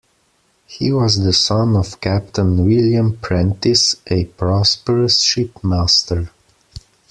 He was the son of Captain William Prentiss a prosperous shipmaster.